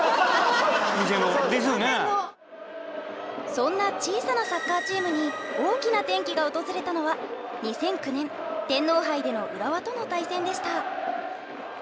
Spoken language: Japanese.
そんな小さなサッカーチームに大きな転機が訪れたのは２００９年天皇杯での浦和との対戦でした。